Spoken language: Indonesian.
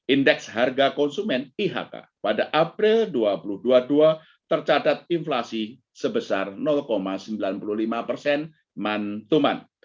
indeks harga konsumen ihk pada april dua ribu dua puluh dua tercatat inflasi sebesar sembilan puluh lima persen mantuman